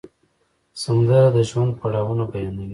سندره د ژوند پړاوونه بیانوي